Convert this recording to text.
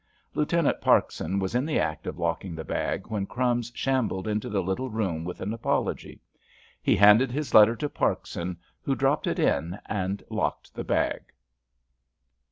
Lieutenant Parkson was in the act of locking the bag when "Crumbs" shambled into the little room with an apology. He handed his letter to Parkson, who dropped it in and locked the bag.